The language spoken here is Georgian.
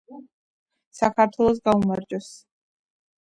საქართველოს გაუმარჯოს